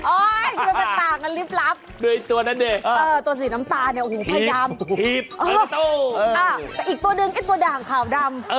โอ๊ยทำไมมันต่างกันรีบรับตัวสีน้ำตาพยายามอีกตัวเดิมคือตัวแดงขาวดำ